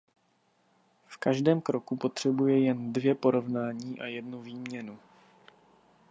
V každém kroku potřebuje jen dvě porovnání a jednu výměnu.